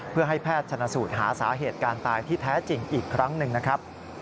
เพื่อให้แพทย์ชนสูตรหาสาเหตุการตายที่แท้จริงอีกครั้งหนึ่งนะครับ